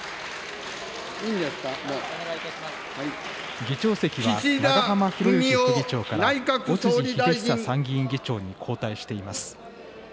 議長席は長浜博行副議長から尾辻秀久参議院議長に交代しています。